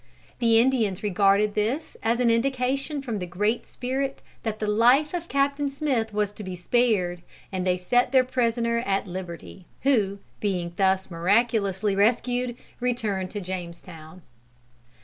The Indians regarded this as an indication from the Great Spirit that the life of Captain Smith was to be spared, and they set their prisoner at liberty, who, being thus miraculously rescued, returned to Jamestown.